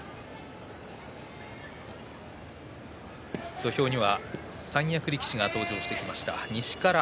土俵には三役力士が登場してきました。